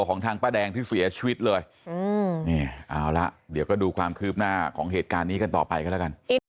ของทางป้าแดงที่เสียชีวิตเลยนี่เอาละเดี๋ยวก็ดูความคืบหน้าของเหตุการณ์นี้กันต่อไปกันแล้วกัน